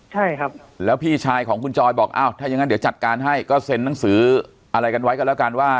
ใช่ครับแล้วพี่ชายของคุณจอยบอกอ้าวถ้ายังงั้นเดี๋ยวจัดการให้ก็เซ็นหนังสืออะไรกันไว้กันแล้วกันว่า